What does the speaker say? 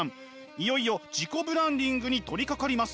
いよいよ自己ブランディングに取りかかります。